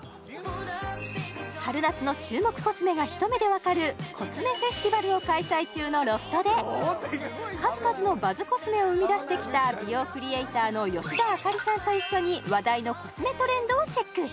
春夏の注目コスメが一目でわかるコスメフェスティバルを開催中のロフトで数々のバズコスメを生み出してきた美容クリエイターの吉田朱里さんと一緒に話題のコスメトレンドをチェック